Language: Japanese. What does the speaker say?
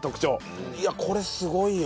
いやこれすごいよ。